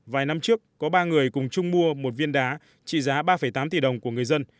vài năm trước có ba người cùng chung mua một viên đá trị giá ba tám tỷ đồng của người dân